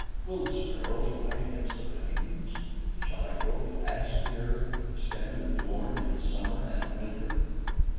Will the sparrows fly against the panes? Shall I grow fast here, and stand adorned in summer and winter?"